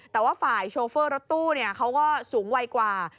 แต่ว่าฝ่ายโชเฟอร์รถตู้เขาก็สูงวัยกว่า